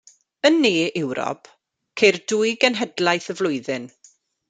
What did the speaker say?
Yn ne Ewrop ceir dwy genhedlaeth y flwyddyn.